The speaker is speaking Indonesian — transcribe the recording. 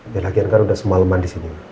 ya lagian kan udah semaleman disini